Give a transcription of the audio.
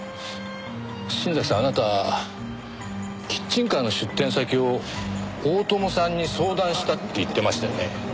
新崎さんあなたキッチンカーの出店先を大友さんに相談したって言ってましたよね？